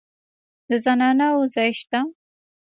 د زنانه وو ځای شته.